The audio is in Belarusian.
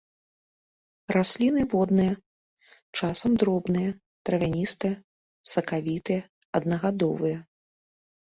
Расліны водныя, часам дробныя, травяністыя, сакавітыя, аднагадовыя.